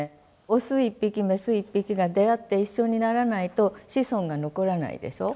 オス一匹メス一匹が出会って一緒にならないと子孫が残らないでしょ。